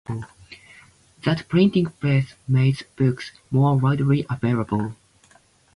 The printing press made books more widely available.